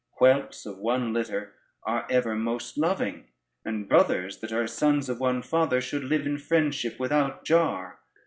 Whelps of one litter are ever most loving, and brothers that are sons of one father should live in friendship without jar.